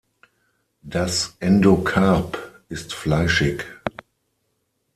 Das Endokarp ist fleischig.